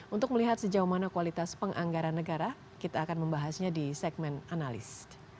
untuk melihat sejauh mana kualitas penganggaran negara kita akan membahasnya di segmen analis